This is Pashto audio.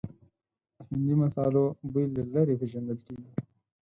د هندي مسالو بوی له لرې پېژندل کېږي.